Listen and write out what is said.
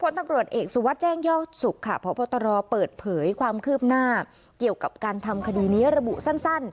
ผลตำรวจเอกสุวัสดิ์แจ้งยอดสุขค่ะพบตรเปิดเผยความคืบหน้าเกี่ยวกับการทำคดีนี้ระบุสั้น